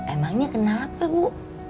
emang nya kenapa bu